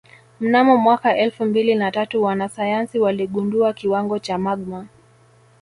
Mnamo mwaka elfu mbili na tatu wanasayansi waligundua kiwango cha magma